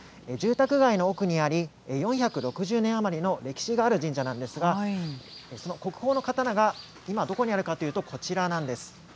住宅街の奥にあり、４６０年余りの歴史がある神社なんですが、その国宝の刀が今どこにあるかというと、こちらなんです。